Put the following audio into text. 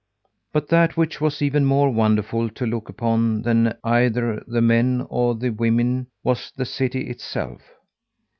But that which was even more wonderful to look upon than either the men or the women, was the city itself.